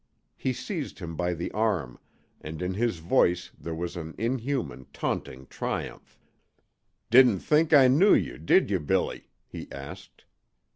He seized him by the arm, and in his voice there was an inhuman, taunting triumph. "Didn't think I knew you, did you, Billy?" he asked.